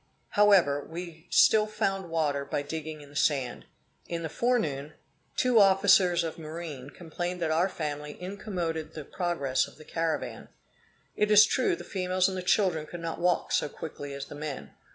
However, we still found water by digging in the sand. In the forenoon, two officers of marine complained that our family incommoded the progress of the caravan. It is true, the females and the children could not walk so quickly as the men.